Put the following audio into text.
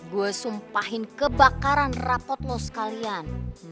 gue sumpahin kebakaran rapot lo sekalian